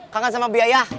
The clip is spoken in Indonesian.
kangen sama biaya